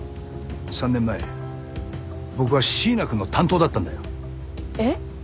３年前僕は椎名くんの担当だったんだよ。えっ？